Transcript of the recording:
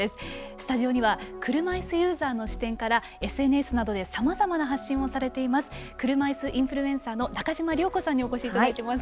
スタジオには車いすユーザーの視点からＳＮＳなどでさまざまな発信をされています車いすインフルエンサーの中嶋涼子さんにお越しいただきました。